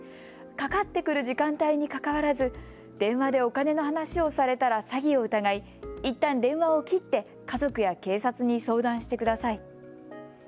かかってくる時間帯にかかわらず電話でお金の話をされたら詐欺を疑いいったん電話を切って家族や警察に相談してください。